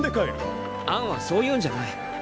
アンはそういうんじゃない。